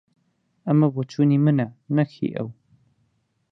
ئەمە بۆچوونی منە، نەک هی ئەو.